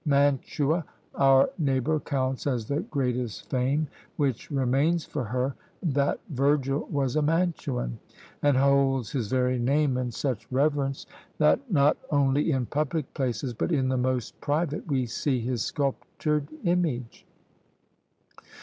Mantua, our neighbour, counts as the greatest fame which remains for her, that Virgil was a Mantuan! and holds his very name in such reverence, that not only in public places, but in the most private, we see his sculptured image!